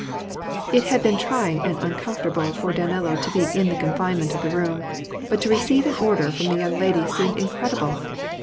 It had been trying and uncomfortable for Danilo to be in the confinement of the room ; but to receive an order from the young lady seemed incredible.